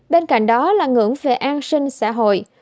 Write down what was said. bên cạnh đó là ngưỡng về an sinh xã hội